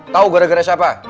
tahu gara gara siapa